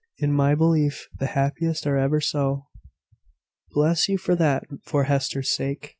In my belief, the happiest are ever so." "Bless you for that, for Hester's sake!